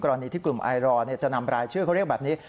กรณีที่กลุ่มไอรอจะนำรายชื่อเขาเรียกแบบนี้